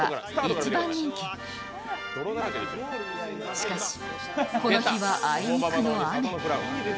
しかし、この日はあいにくの雨。